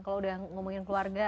kalau udah ngomongin keluarga